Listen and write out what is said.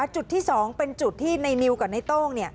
จุดที่๒เป็นจุดที่ในนิวกับในโต้ง